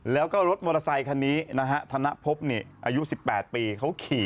แล้วก็รถมอเตอร์ไซคันนี้นะฮะธนพบอายุ๑๘ปีเขาขี่